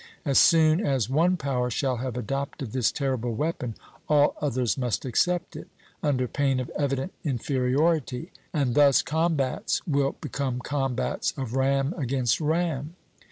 As soon as one power shall have adopted this terrible weapon, all others must accept it, under pain of evident inferiority, and thus combats will become combats of ram against ram."